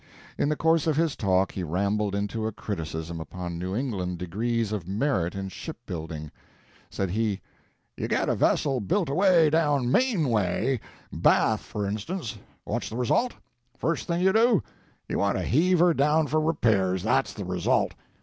In the course of his talk he rambled into a criticism upon New England degrees of merit in ship building. Said he, "You get a vessel built away down Maine way; Bath, for instance; what's the result? First thing you do, you want to heave her down for repairs that's the result!